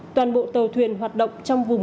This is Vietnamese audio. toàn bộ tàu thuyền hoạt động trong vùng